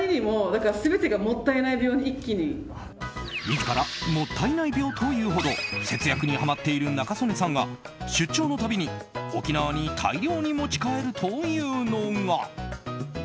自らもったいない病と言うほど節約にハマっている仲宗根さんが出張のたびに沖縄に大量に持ち帰るというのが。